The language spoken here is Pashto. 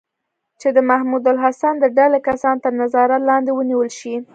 چې د محمود الحسن د ډلې کسان تر نظارت لاندې ونیول شي.